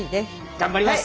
頑張ります！